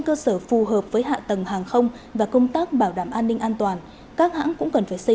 cơ sở phù hợp với hạ tầng hàng không và công tác bảo đảm an ninh an toàn các hãng cũng cần phải xây